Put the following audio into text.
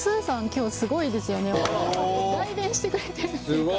今日すごいですよね代弁してくれてる。